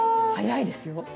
早いですよ。